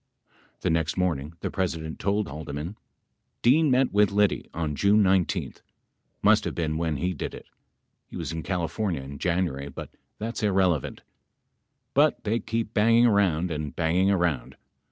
45 The next morning the President told Haldeman : Dean met with Liddy on June 19th, must have been when he did it. He was in California in January but that is irrele vant. But they keep banging around and banging around.